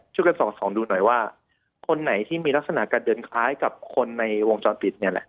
ช่วยกันส่องดูหน่อยว่าคนไหนที่มีลักษณะการเดินคล้ายกับคนในวงจรปิดเนี่ยแหละ